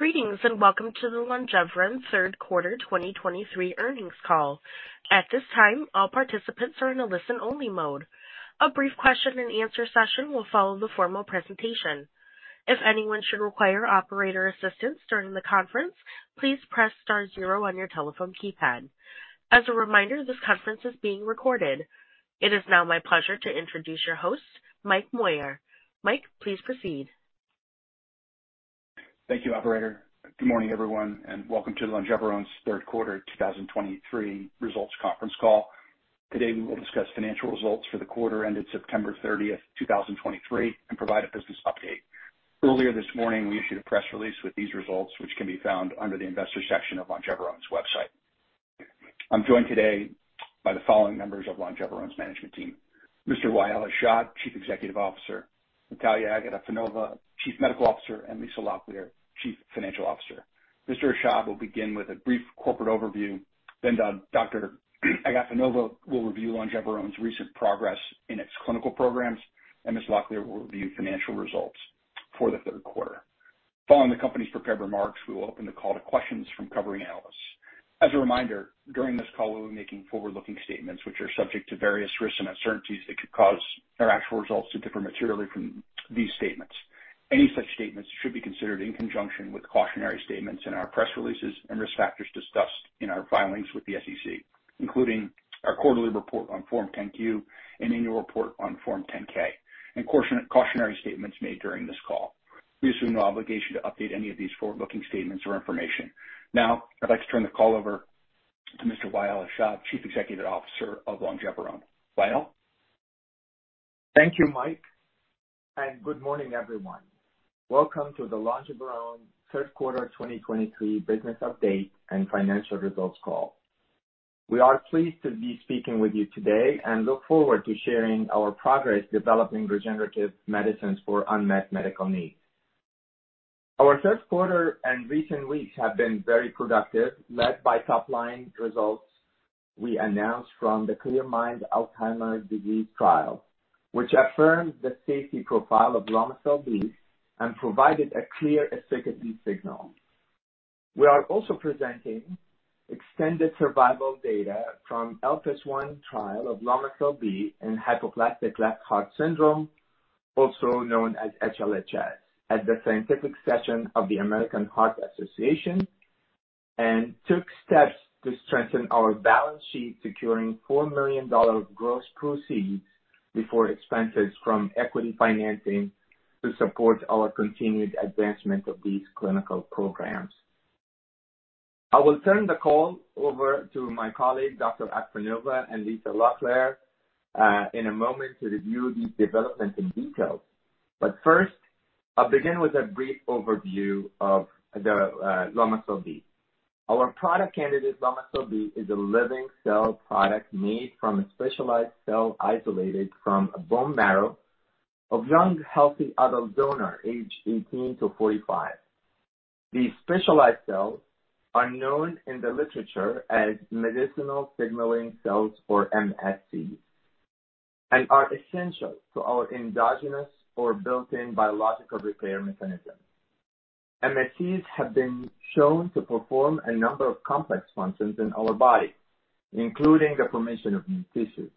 Greetings, and welcome to the Longeveron third quarter 2023 earnings call. At this time, all participants are in a listen-only mode. A brief question and answer session will follow the formal presentation. If anyone should require operator assistance during the conference, please press star zero on your telephone keypad. As a reminder, this conference is being recorded. It is now my pleasure to introduce your host, Mike Moyer. Mike, please proceed. Thank you, operator. Good morning, everyone, and welcome to Longeveron's third quarter 2023 results conference call. Today, we will discuss financial results for the quarter ended September 30th, 2023, and provide a business update. Earlier this morning, we issued a press release with these results, which can be found under the Investors section of Longeveron's website. I'm joined today by the following members of Longeveron's management team: Mr. Wa'el Hashad, Chief Executive Officer, Nataliya Agafonova, Chief Medical Officer, and Lisa Locklear, Chief Financial Officer. Mr. Hashad will begin with a brief corporate overview, then Dr. Agafonova will review Longeveron's recent progress in its clinical programs, and Ms. Locklear will review financial results for the third quarter. Following the company's prepared remarks, we will open the call to questions from covering analysts. As a reminder, during this call, we'll be making forward-looking statements, which are subject to various risks and uncertainties that could cause our actual results to differ materially from these statements. Any such statements should be considered in conjunction with cautionary statements in our press releases and risk factors discussed in our filings with the SEC, including our quarterly report on Form 10-Q and annual report on Form 10-K, and cautionary statements made during this call. We assume no obligation to update any of these forward-looking statements or information. Now, I'd like to turn the call over to Mr. Wa'el Hashad, Chief Executive Officer of Longeveron. Wael? Thank you, Mike, and good morning, everyone. Welcome to the Longeveron third quarter 2023 business update and financial results call. We are pleased to be speaking with you today and look forward to sharing our progress developing regenerative medicines for unmet medical needs. Our third quarter and recent weeks have been very productive, led by top-line results we announced from the CLEAR MIND Alzheimer's disease trial, which affirmed the safety profile of Lomecel-B and provided a clear efficacy signal. We are also presenting extended survival data from ELPIS I trial of Lomecel-B and hypoplastic left heart syndrome, also known as HLHS, at the scientific session of the American Heart Association, and took steps to strengthen our balance sheet, securing $4 million gross proceeds before expenses from equity financing to support our continued advancement of these clinical programs. I will turn the call over to my colleague, Dr. Agafonova and Lisa Locklear in a moment to review these developments in detail. But first, I'll begin with a brief overview of the Lomecel-B. Our product candidate, Lomecel-B, is a living cell product made from a specialized cell isolated from a bone marrow of young, healthy adult donor, aged 18-45. These specialized cells are known in the literature as medicinal signaling cells, or MSCs, and are essential to our endogenous or built-in biological repair mechanism. MSCs have been shown to perform a number of complex functions in our body, including the formation of new tissues.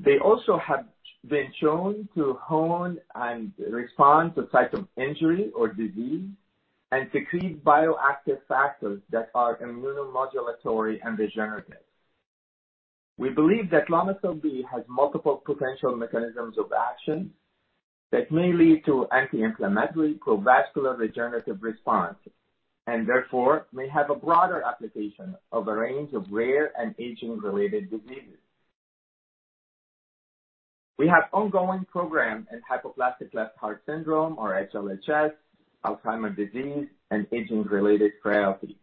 They also have been shown to home and respond to types of injury or disease and secrete bioactive factors that are immunomodulatory and regenerative. We believe that Lomecel-B has multiple potential mechanisms of action that may lead to anti-inflammatory, pro-vascular regenerative responses, and therefore may have a broader application of a range of rare and aging-related diseases. We have ongoing program in hypoplastic left heart syndrome, or HLHS, Alzheimer's disease, and aging-related frailty.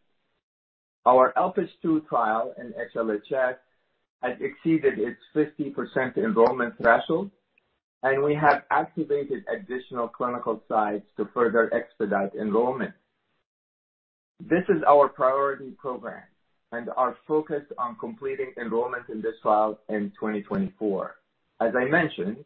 Our ELPIS II trial in HLHS has exceeded its 50% enrollment threshold, and we have activated additional clinical sites to further expedite enrollment. This is our priority program, and are focused on completing enrollment in this trial in 2024. As I mentioned,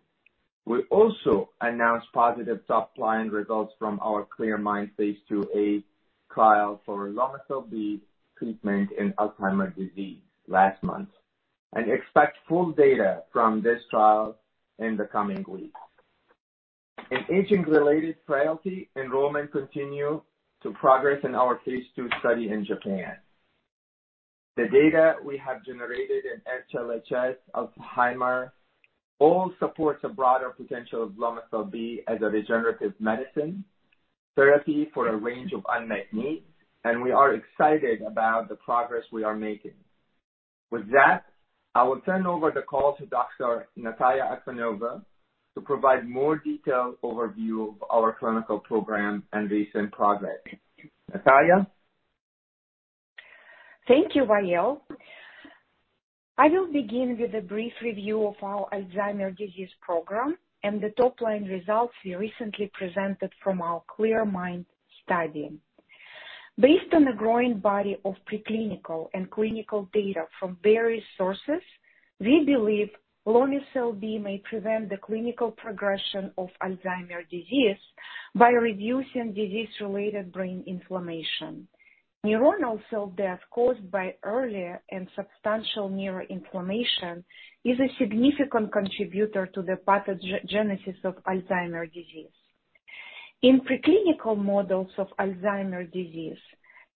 we also announced positive top-line results from our CLEAR MIND phase IIa trial for Lomecel-B treatment in Alzheimer's disease last month, and expect full data from this trial in the coming weeks. Aging-related frailty, enrollment continue to progress in our phase II study in Japan. The data we have generated in HLHS, Alzheimer's, all supports a broader potential of Lomecel-B as a regenerative medicine therapy for a range of unmet needs, and we are excited about the progress we are making. With that, I will turn over the call to Dr. Nataliya Agafonova to provide more detailed overview of our clinical program and recent progress. Nataliya? Thank you, Wa'el. I will begin with a brief review of our Alzheimer's disease program and the top-line results we recently presented from our CLEAR MIND study. ...Based on the growing body of preclinical and clinical data from various sources, we believe Lomecel-B may prevent the clinical progression of Alzheimer's disease by reducing disease-related brain inflammation. Neuronal cell death, caused by earlier and substantial neuroinflammation, is a significant contributor to the pathogenesis of Alzheimer's disease. In preclinical models of Alzheimer's disease,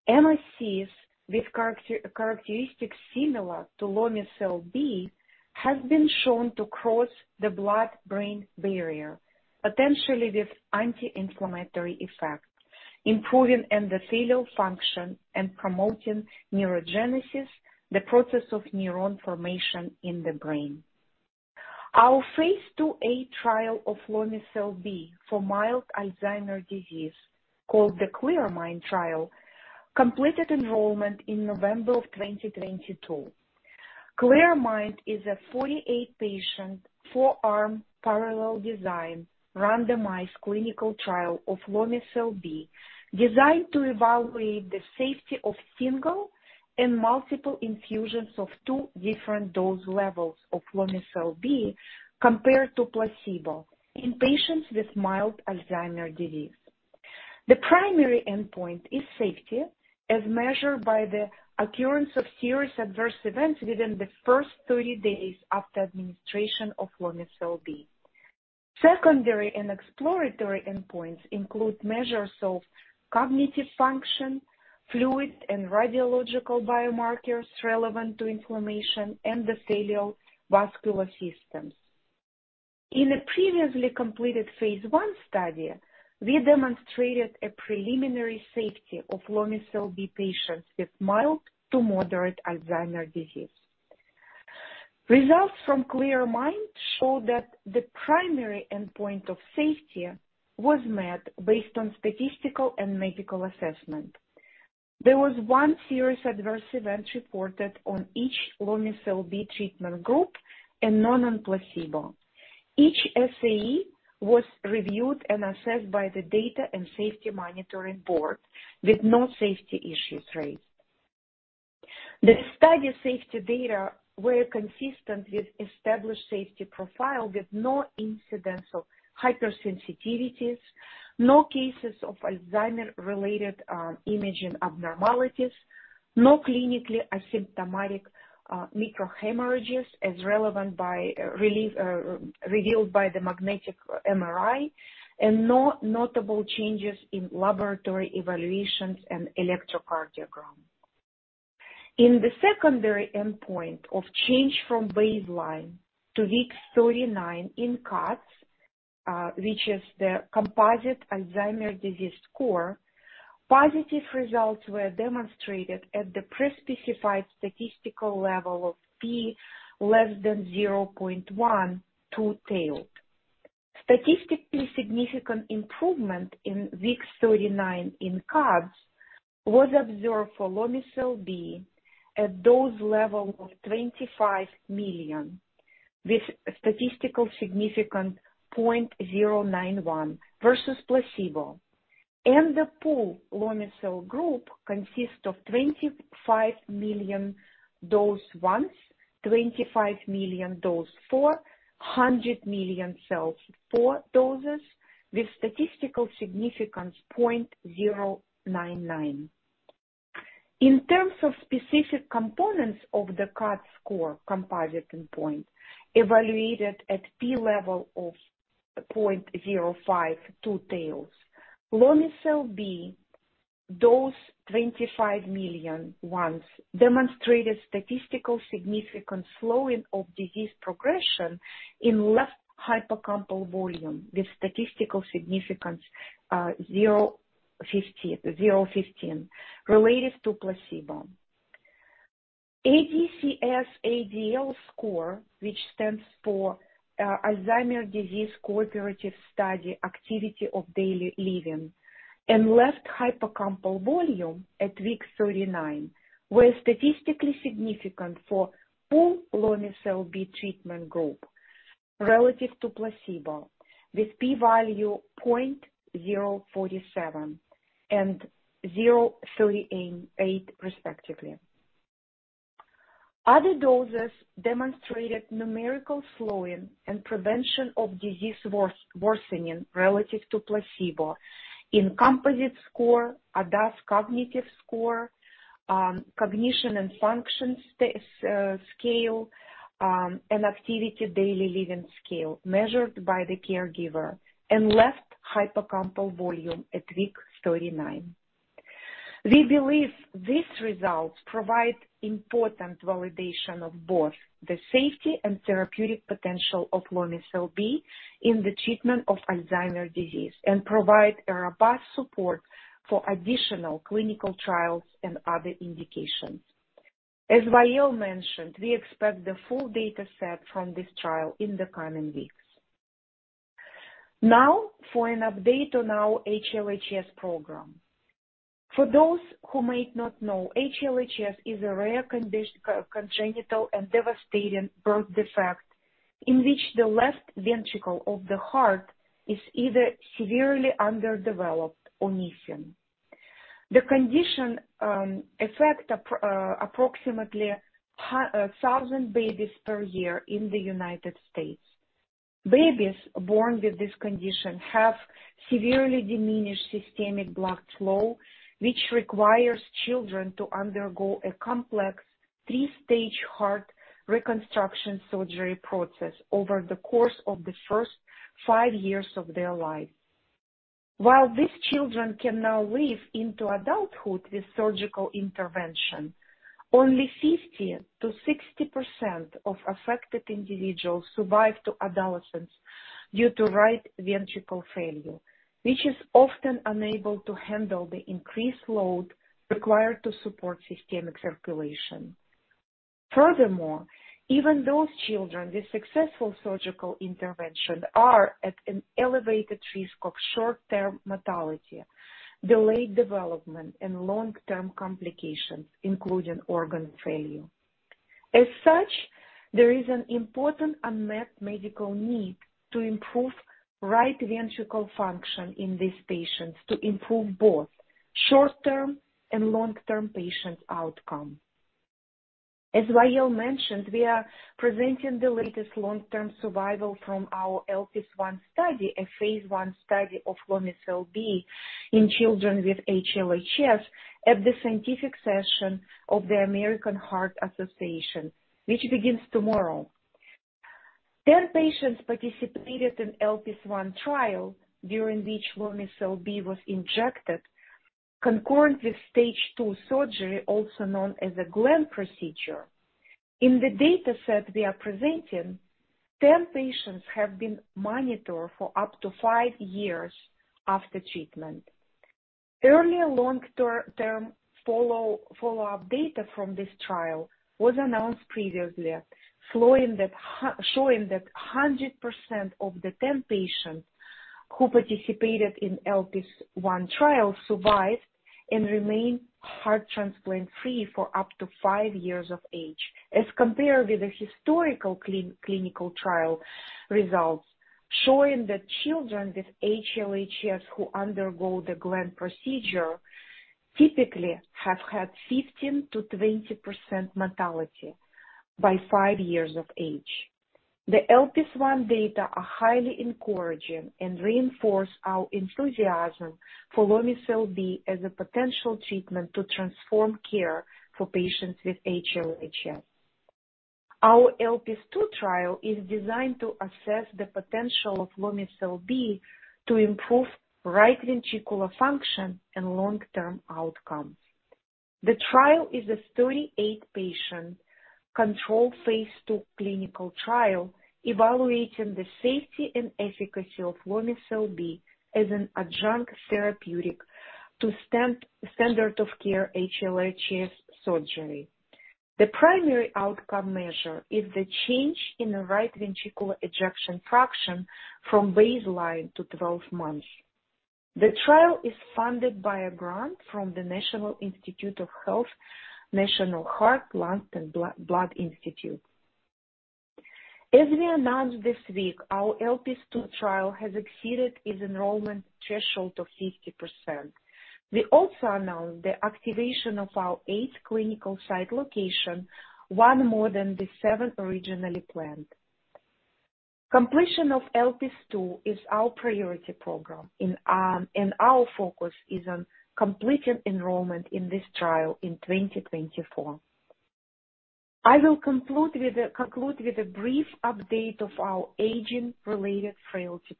MSCs with characteristics similar to Lomecel-B, have been shown to cross the blood-brain barrier, potentially with anti-inflammatory effects, improving endothelial function and promoting neurogenesis, the process of neuron formation in the brain. Our phase IIa trial of Lomecel-B for mild Alzheimer's disease, called the CLEAR MIND Trial, completed enrollment in November 2022. CLEAR MIND is a 48-patient, four-arm, parallel design, randomized clinical trial of Lomecel-B, designed to evaluate the safety of single and multiple infusions of two different dose levels of Lomecel-B compared to placebo in patients with mild Alzheimer's disease. The primary endpoint is safety, as measured by the occurrence of serious adverse events within the first 30 days after administration of Lomecel-B. Secondary and exploratory endpoints include measures of cognitive function, fluid and radiological biomarkers relevant to inflammation, and the failure of vascular systems. In a previously completed phase I study, we demonstrated a preliminary safety of Lomecel-B patients with mild to moderate Alzheimer's disease. Results from CLEAR MIND show that the primary endpoint of safety was met based on statistical and medical assessment. There was one serious adverse event reported on each Lomecel-B treatment group and none on placebo. Each SAE was reviewed and assessed by the Data and Safety Monitoring Board, with no safety issues raised. The study safety data were consistent with established safety profile, with no incidents of hypersensitivities, no cases of Alzheimer's-related imaging abnormalities, no clinically asymptomatic microhemorrhages as revealed by the magnetic MRI, and no notable changes in laboratory evaluations and electrocardiogram. In the secondary endpoint of change from baseline to week 39 in CADS, which is the Composite Alzheimer's Disease Score, positive results were demonstrated at the pre-specified statistical level of p < 0.1, two-tailed. Statistically significant improvement in week 39 in CADS was observed for Lomecel-B at dose level of 25 million, with statistical significance p = 0.091 versus placebo. And the pooled Lomecel-B group consists of 25 million dose once, 25 million dose four, 400 million cells four doses, with statistical significance p = 0.099. In terms of specific components of the CADS composite endpoint, evaluated at p-level of 0.05, two-tailed, Lomecel-B dose 25 million once, demonstrated statistical significant slowing of disease progression in left hippocampal volume, with statistical significance, 0.05, 0.015, relative to placebo. ADCS-ADL score, which stands for, Alzheimer's Disease Cooperative Study, Activities of Daily Living, and left hippocampal volume at week 39, were statistically significant for full Lomecel-B treatment group relative to placebo, with p-value 0.047 and 0.0388 respectively. Other doses demonstrated numerical slowing and prevention of disease worsening relative to placebo in composite score, ADAS-Cog score, cognition and function scale, and activity daily living scale, measured by the caregiver and left hippocampal volume at week 39. We believe these results provide important validation of both the safety and therapeutic potential of Lomecel-B in the treatment of Alzheimer's disease and provide a robust support for additional clinical trials and other indications. As Wa'el mentioned, we expect the full dataset from this trial in the coming weeks. Now, for an update on our HLHS program. For those who might not know, HLHS is a rare congenital and devastating birth defect in which the left ventricle of the heart is either severely underdeveloped or missing. The condition affects approximately 1,000 babies per year in the United States. Babies born with this condition have severely diminished systemic blood flow, which requires children to undergo a complex three-stage heart reconstruction surgery process over the course of the first five years of their life. While these children can now live into adulthood with surgical intervention, only 50%-60% of affected individuals survive to adolescence due to right ventricle failure, which is often unable to handle the increased load required to support systemic circulation. Furthermore, even those children with successful surgical intervention are at an elevated risk of short-term mortality, delayed development, and long-term complications, including organ failure. As such, there is an important unmet medical need to improve right ventricle function in these patients to improve both short-term and long-term patient outcome. As Wa'el mentioned, we are presenting the latest long-term survival from our ELPIS I study, a phase I study of Lomecel-B in children with HLHS, at the scientific session of the American Heart Association, which begins tomorrow. 10 patients participated in ELPIS I trial, during which Lomecel-B was injected concurrently stage two surgery, also known as a Glenn procedure. In the data set we are presenting, 10 patients have been monitored for up to five years after treatment. Earlier long-term follow-up data from this trial was announced previously, showing that 100% of the 10 patients who participated in ELPIS I trial survived and remain heart transplant-free for up to five years of age, as compared with the historical clinical trial results, showing that children with HLHS who undergo the Glenn procedure typically have had 15%-20% mortality by five years of age. The ELPIS I data are highly encouraging and reinforce our enthusiasm for Lomecel-B as a potential treatment to transform care for patients with HLHS. Our ELPIS II trial is designed to assess the potential of Lomecel-B to improve right ventricular function and long-term outcomes. The trial is a 38-patient controlled phase II clinical trial, evaluating the safety and efficacy of Lomecel-B as an adjunct therapeutic to standard of care HLHS surgery. The primary outcome measure is the change in the right ventricular ejection fraction from baseline to 12 months. The trial is funded by a grant from the National Institutes of Health, National Heart, Lung, and Blood Institute. As we announced this week, our ELPIS II trial has exceeded its enrollment threshold of 50%. We also announced the activation of our eighth clinical site location, one more than the seven originally planned. Completion of ELPIS II is our priority program, and our focus is on completing enrollment in this trial in 2024. I will conclude with a brief update of aging-related frailty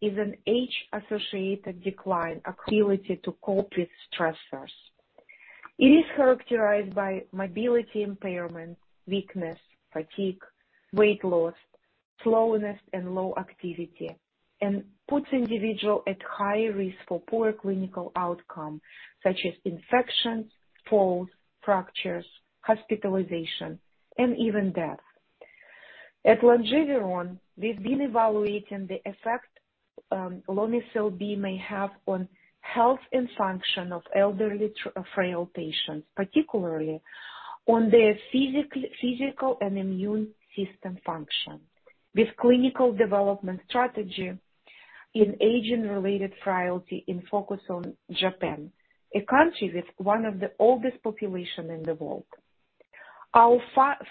is an age-associated decline, ability to cope with stressors. It is characterized by mobility impairment, weakness, fatigue, weight loss, slowness, and low activity, and puts individual at high risk for poor clinical outcome, such as infections, falls, fractures, hospitalization, and even death. At Longeveron, we've been evaluating the effect Lomecel-B may have on health and function of elderly frail patients, particularly on their physical and immune system function, with clinical development strategy aging-related frailty in focus on Japan, a country with one of the oldest population in the world. Our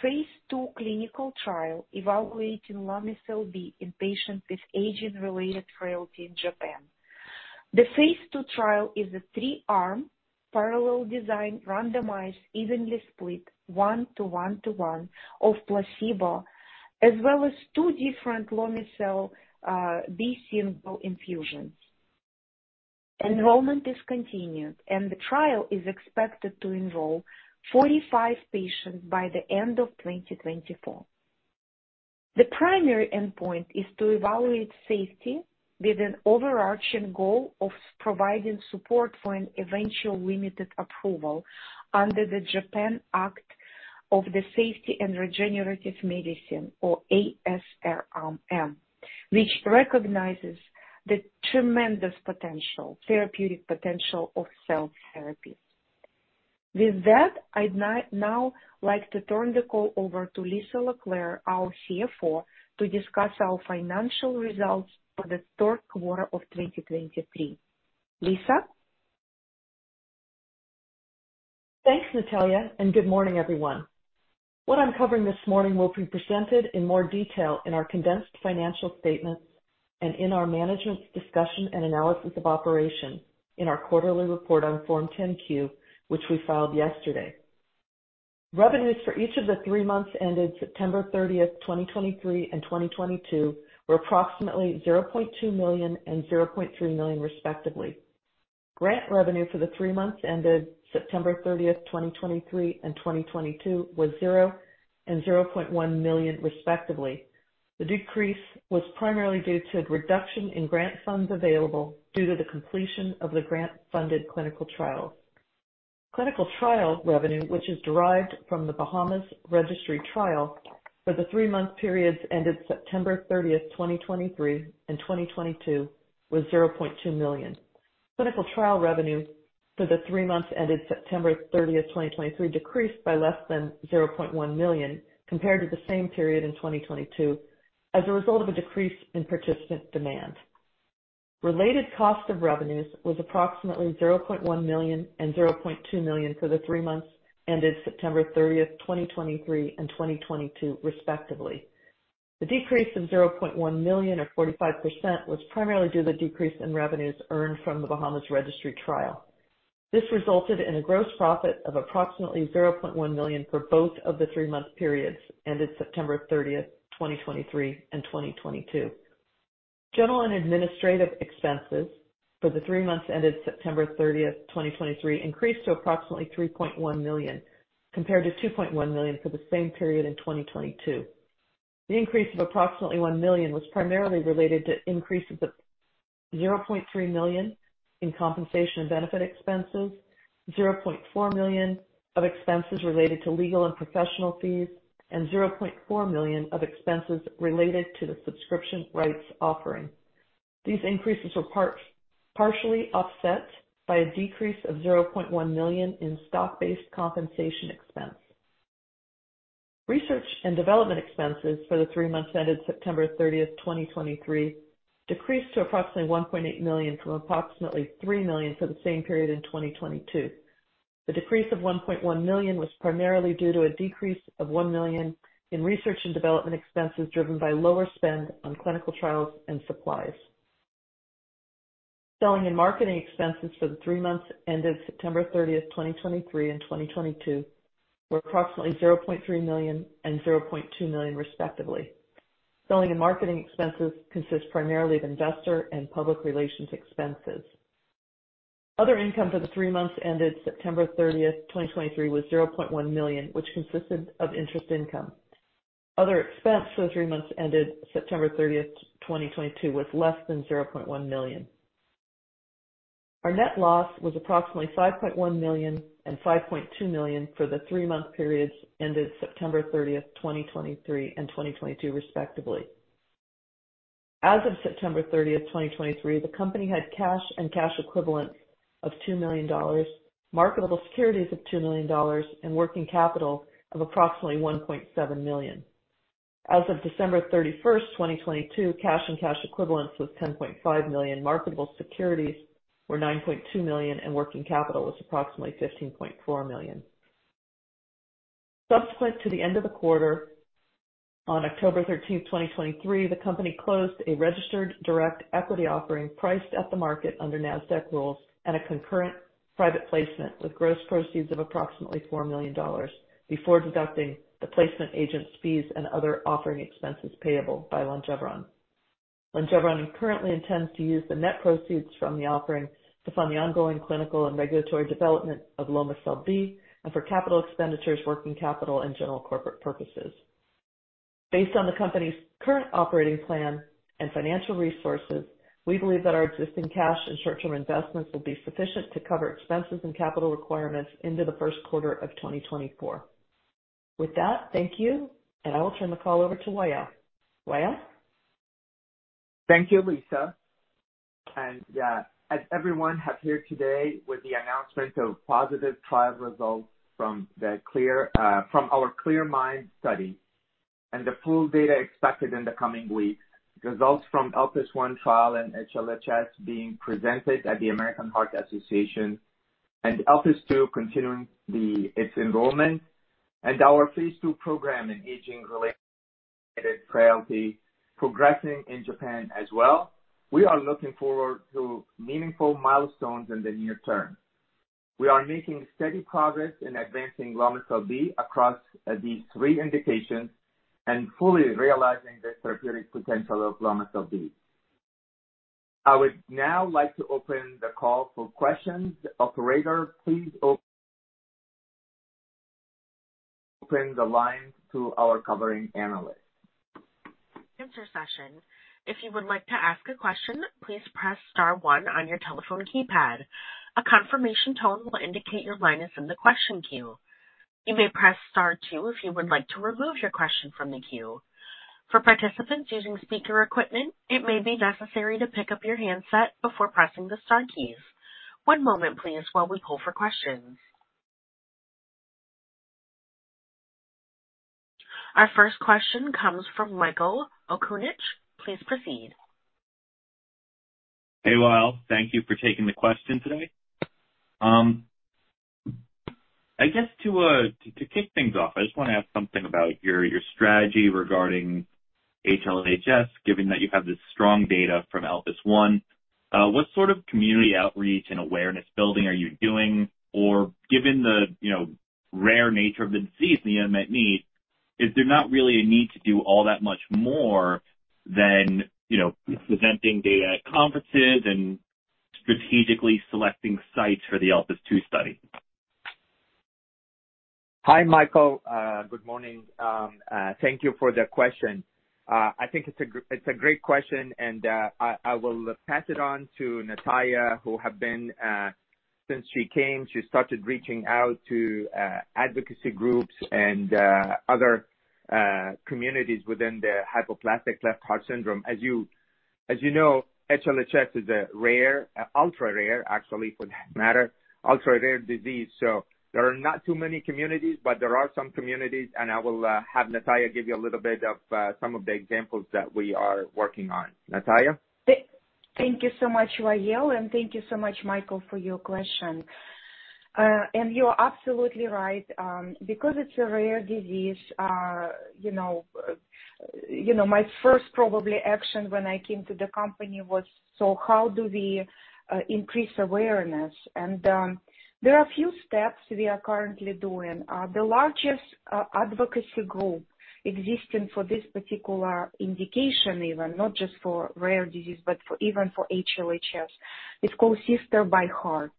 phase II clinical trial evaluating Lomecel-B in patients aging-related frailty in Japan. The phase II trial is a three-arm parallel design, randomized, evenly split, 1:1:1, of placebo, as well as two different Lomecel-B single infusions. Enrollment is continued, and the trial is expected to enroll 45 patients by the end of 2024. The primary endpoint is to evaluate safety, with an overarching goal of providing support for an eventual limited approval under the Japan Act.... of the Safety and Regenerative Medicine, or ASRM, which recognizes the tremendous potential, therapeutic potential of cell therapy. With that, I'd now like to turn the call over to Lisa Locklear, our CFO, to discuss our financial results for the third quarter of 2023. Lisa? Thanks, Nataliya, and good morning, everyone. What I'm covering this morning will be presented in more detail in our condensed financial statements and in our management's discussion and analysis of operation in our quarterly report on Form 10-Q, which we filed yesterday. Revenues for each of the three months ended September 30th, 2023 and 2022, were approximately $0.2 million and $0.3 million, respectively. Grant revenue for the three months ended September 30th, 2023 and 2022, was $0 million and $0.1 million, respectively. The decrease was primarily due to reduction in grant funds available due to the completion of the grant-funded clinical trials. Clinical trial revenue, which is derived from the Bahamas Registry Trial for the three-month periods ended September 30th, 2023 and 2022, was $0.2 million. Clinical trial revenue for the three months ended September 30th, 2023, decreased by less than $0.1 million compared to the same period in 2022, as a result of a decrease in participant demand. Related cost of revenues was approximately $0.1 million and $0.2 million for the three months ended September 30th, 2023 and 2022, respectively. The decrease of $0.1 million or 45% was primarily due to the decrease in revenues earned from the Bahamas Registry Trial. This resulted in a gross profit of approximately $0.1 million for both of the three-month periods, ended September 30th, 2023 and 2022. General and administrative expenses for the three months ended September 30th, 2023, increased to approximately $3.1 million, compared to $2.1 million for the same period in 2022. The increase of approximately $1 million was primarily related to an increase of $0.3 million in compensation and benefit expenses, $0.4 million of expenses related to legal and professional fees, and $0.4 million of expenses related to the subscription rights offering. These increases were partially offset by a decrease of $0.1 million in stock-based compensation expense. Research and development expenses for the three months ended September 30th, 2023, decreased to approximately $1.8 million, from approximately $3 million for the same period in 2022. The decrease of $1.1 million was primarily due to a decrease of $1 million in research and development expenses, driven by lower spend on clinical trials and supplies. Selling and marketing expenses for the three months ended September 30th, 2023 and 2022, were approximately $0.3 million and $0.2 million, respectively. Selling and marketing expenses consist primarily of investor and public relations expenses. Other income for the three months ended September 30th, 2023, was $0.1 million, which consisted of interest income. Other expense for the three months ended September 30th, 2022, was less than $0.1 million. Our net loss was approximately $5.1 million and $5.2 million for the three-month periods ended September 30th, 2023 and 2022, respectively. As of September 30th, 2023, the company had cash and cash equivalents of $2 million, marketable securities of $2 million, and working capital of approximately $1.7 million. As of December 31st, 2022, cash and cash equivalents was $10.5 million, marketable securities were $9.2 million, and working capital was approximately $15.4 million. Subsequent to the end of the quarter, on October 13th, 2023, the company closed a registered direct equity offering priced at the market under NASDAQ rules and a concurrent private placement with gross proceeds of approximately $4 million before deducting the placement agent's fees and other offering expenses payable by Longeveron. Longeveron currently intends to use the net proceeds from the offering to fund the ongoing clinical and regulatory development of Lomecel-B, and for capital expenditures, working capital, and general corporate purposes. Based on the company's current operating plan and financial resources, we believe that our existing cash and short-term investments will be sufficient to cover expenses and capital requirements into the first quarter of 2024. With that, thank you, and I will turn the call over to Wa'el. Wa'el? Thank you, Lisa. Yeah, as everyone have here today with the announcement of positive trial results from the CLEAR MIND, from our CLEAR MIND study and the full data expected in the coming weeks, results from ELPIS I trial and HLHS being presented at the American Heart Association, and ELPIS II continuing its enrollment, and our phase II program aging-related frailty progressing in Japan as well, we are looking forward to meaningful milestones in the near term. We are making steady progress in advancing Lomecel-B across, these three indications and fully realizing the therapeutic potential of Lomecel-B. I would now like to open the call for questions. Operator, please open the lines to our covering analysts.... answer session. If you would like to ask a question, please press star one on your telephone keypad. A confirmation tone will indicate your line is in the question queue. You may press star two if you would like to remove your question from the queue. For participants using speaker equipment, it may be necessary to pick up your handset before pressing the star keys. One moment please while we pull for questions. Our first question comes from Michael Okunewitch. Please proceed. Hey, Wa'el. Thank you for taking the question today. I guess to kick things off, I just want to ask something about your strategy regarding HLHS, given that you have this strong data from ELPIS I. What sort of community outreach and awareness building are you doing? Or given the, you know, rare nature of the disease and the unmet need, is there not really a need to do all that much more than, you know, presenting data at conferences and strategically selecting sites for the ELPIS II study? Hi, Michael. Good morning. Thank you for the question. I think it's a great question, and I will pass it on to Nataliya, who has been, since she came, she started reaching out to advocacy groups and other communities within the hypoplastic left heart syndrome. As you know, HLHS is a rare, ultra-rare, actually, for that matter, ultra-rare disease, so there are not too many communities, but there are some communities, and I will have Nataliya give you a little bit of some of the examples that we are working on. Nataliya? Thank you so much, Wa'el, and thank you so much, Michael, for your question. And you are absolutely right. Because it's a rare disease, you know, you know, my first probably action when I came to the company was: So how do we increase awareness? And there are a few steps we are currently doing. The largest advocacy group existing for this particular indication, even, not just for rare disease, but for even for HLHS, is called Sisters by Heart.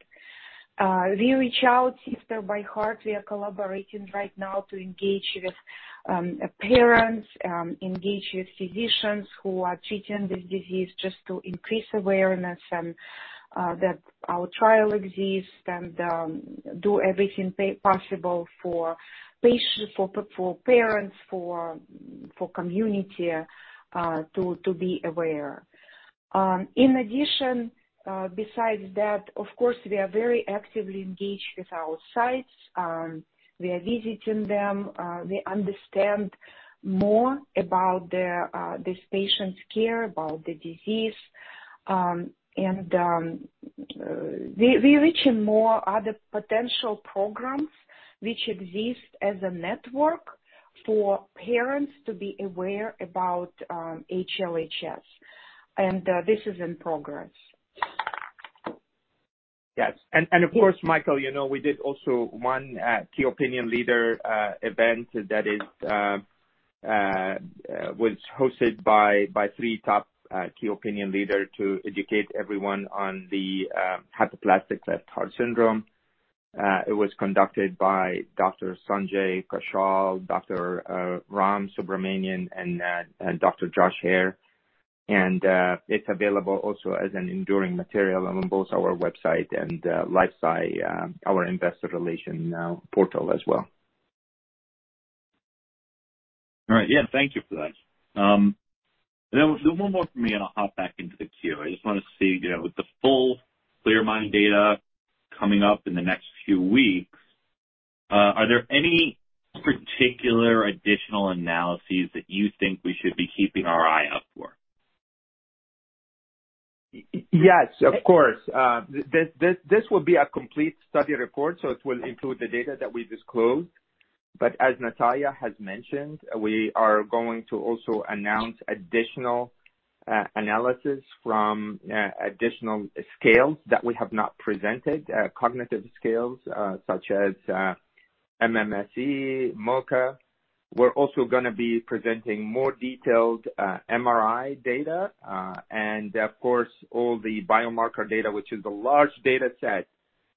We reach out, Sisters by Heart, we are collaborating right now to engage with parents, engage with physicians who are treating this disease, just to increase awareness and that our trial exists and do everything possible for patients, for parents, for community, to be aware. In addition, besides that, of course, we are very actively engaged with our sites. We are visiting them. They understand more about this patient's care, about the disease. And we reaching more other potential programs which exist as a network for parents to be aware about HLHS, and this is in progress. Yes. And of course, Michael, you know, we did also one key opinion leader event that was hosted by three top key opinion leader to educate everyone on the hypoplastic left heart syndrome. It was conducted by Dr. Sunjay Kaushal, Dr. Ram Subramanyan, and Dr. Joshua Hare. And it's available also as an enduring material on both our website and LifeSci our investor relations portal as well. All right. Yeah, thank you for that. And then one more from me, and I'll hop back into the queue. I just want to see, you know, with the full CLEAR MIND data coming up in the next few weeks, are there any particular additional analyses that you think we should be keeping our eye out for? Yes, of course. This will be a complete study report, so it will include the data that we disclosed. But as Nataliya has mentioned, we are going to also announce additional analysis from additional scales that we have not presented, cognitive scales such as MMSE, MoCA. We're also gonna be presenting more detailed MRI data, and of course, all the biomarker data, which is a large data set.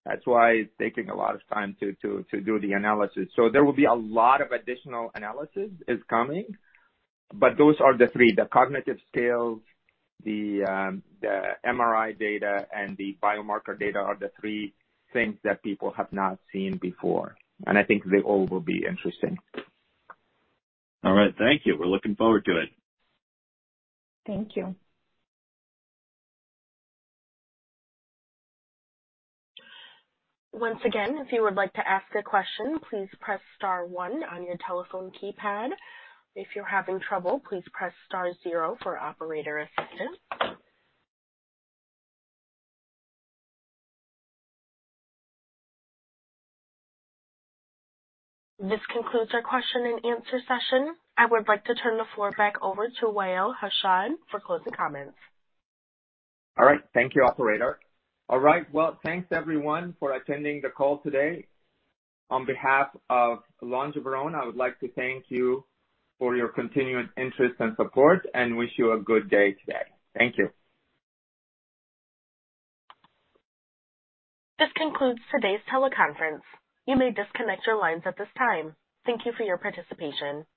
That's why it's taking a lot of time to do the analysis. So there will be a lot of additional analysis is coming, but those are the three, the cognitive scales, the MRI data, and the biomarker data are the three things that people have not seen before, and I think they all will be interesting. All right. Thank you. We're looking forward to it. Thank you. Once again, if you would like to ask a question, please press star one on your telephone keypad. If you're having trouble, please press star zero for operator assistance. This concludes our question and answer session. I would like to turn the floor back over to Wa'el Hashad for closing comments. All right. Thank you, operator. All right. Well, thanks, everyone, for attending the call today. On behalf of Longeveron, I would like to thank you for your continuous interest and support, and wish you a good day today. Thank you. This concludes today's teleconference. You may disconnect your lines at this time. Thank you for your participation.